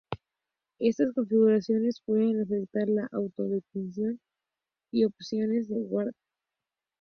Estas configuraciones pueden afectar la auto-detección y opciones de hardware.